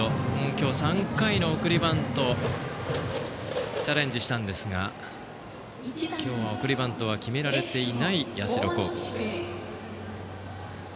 今日、３回の送りバントをチャレンジしたんですが今日は送りバントを決められていない社高校です。